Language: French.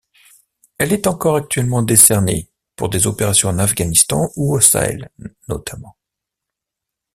Elle est encore actuellement décernée pour des opérations en Afghanistan ou au Sahel notamment.